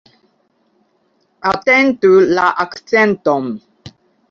Atentu la akcenton!